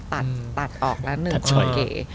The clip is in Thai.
ตัดออกละ๑เค